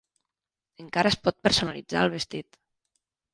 Encara es pot personalitzar el vestit.